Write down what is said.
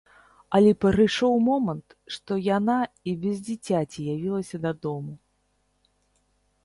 Але прыйшоў момант, што яна і без дзіцяці явілася дадому.